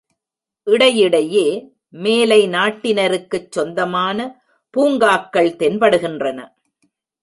இடையிடையே மேலை நாட்டினருக்குச் சொந்தமான பூங்காக்கள் தென்படுகின்றன.